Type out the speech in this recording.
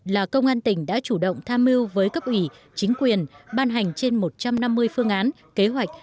là công an tỉnh đã chủ động tham mưu với cấp ủy chính quyền ban hành trên một trăm năm mươi phương án kế hoạch